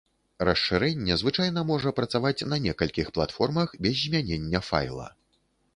Расшырэнне звычайна можа працаваць на некалькіх платформах без змянення файла.